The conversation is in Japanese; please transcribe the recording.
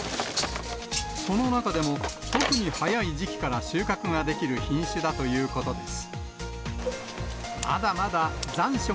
その中でも、特に早い時期から収穫ができる品種だということです。